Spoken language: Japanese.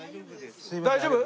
大丈夫？